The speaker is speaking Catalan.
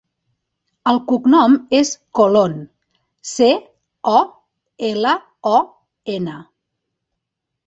El cognom és Colon: ce, o, ela, o, ena.